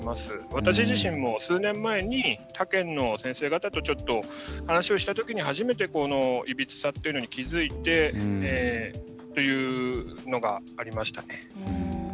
私自身も数年前に、他県の先生方とちょっと話をしたときに初めてこのいびつさというのに気付いてというのがありましたね。